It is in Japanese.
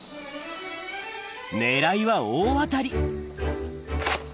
狙いは大当たり！